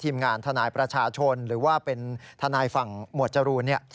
ทีมงานทนายประชาชนหรือว่าเป็นทนายฝั่งหมวดจรูน